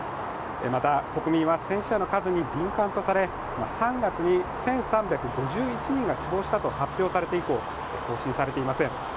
また、国民は戦死者の数に敏感とされ３月に１３５１人が死亡したと発表されて以降、更新されていません。